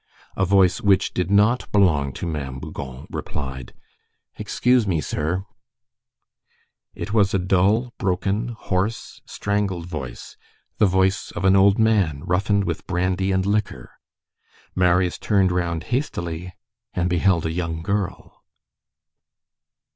A voice which did not belong to Ma'am Bougon replied:— "Excuse me, sir—" It was a dull, broken, hoarse, strangled voice, the voice of an old man, roughened with brandy and liquor. Marius turned round hastily, and beheld a young girl.